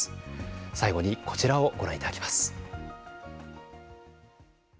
最後にこちらをご覧いただきます。